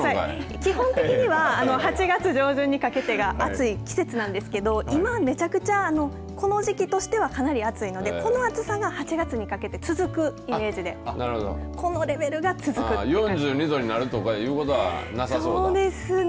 基本的には８月上旬にかけてが暑い季節なんですけど今、めちゃくちゃこの時期としてはかなり暑いのでこの暑さが８月にかけて続くイメージで４２度になるそうですね。